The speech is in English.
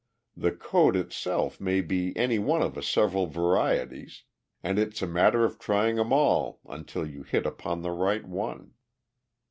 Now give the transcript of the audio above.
The code itself may be any one of several varieties and it's a matter of trying 'em all until you hit upon the right one."